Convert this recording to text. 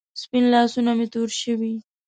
سپین لاسونه مې تور شوې